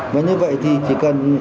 mà như vậy thì chỉ cần